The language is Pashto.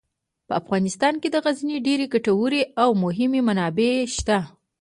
په افغانستان کې د غزني ډیرې ګټورې او مهمې منابع شته.